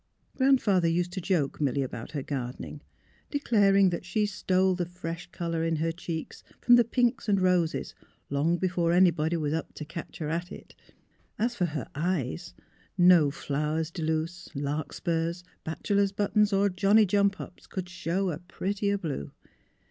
Grandfather used to joke Milly about her gardening, declaring that she stole the fresh colour in her cheeks from the pinks and roses, long before anybody was up to " ketch her at it." As for her eyes, no flowers de luce, lark spurs, bachelor's buttons or johnny jump ups could '' show a purtier blue."